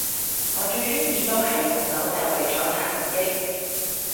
我最鍾意都係用手掣為咗刷連擊